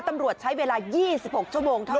ตำรวจใช้เวลา๒๖ชั่วโมงเท่านั้น